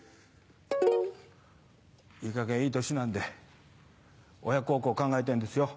いいかげんいい年なんで親孝行考えてんですよ。